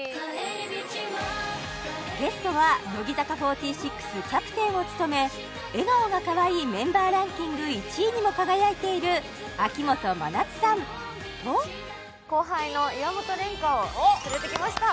ゲストは乃木坂４６キャプテンを務め笑顔がかわいいメンバーランキング１位にも輝いている秋元真夏さんと後輩の岩本蓮加を連れてきました